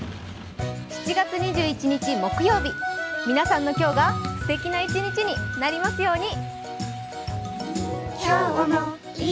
７月２１日木曜日、皆さんの今日がすてきな一日になりますように。